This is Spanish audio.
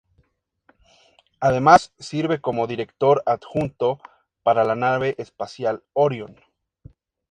Además, sirve como director adjunto para la nave espacial Orion.